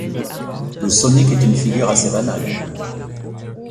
Le Sonic est une figure assez banale.